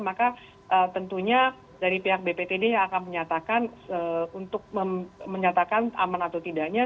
maka tentunya dari pihak bptd yang akan menyatakan untuk menyatakan aman atau tidaknya